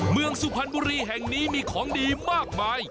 สุพรรณบุรีแห่งนี้มีของดีมากมาย